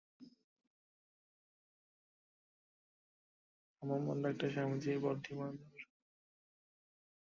ভ্রূম্যান, ডা স্বামীজী বাল্টিমোরে রেভা ওয়াল্টার ভ্রূম্যান এবং তাঁহার ভ্রাতৃবৃন্দের অতিথি ছিলেন।